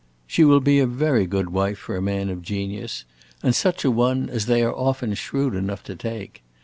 She will be a very good wife for a man of genius, and such a one as they are often shrewd enough to take.